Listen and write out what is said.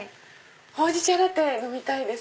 ほうじ茶ラテ飲みたいです。